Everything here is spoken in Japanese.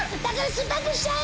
酸っぱくしちゃえ！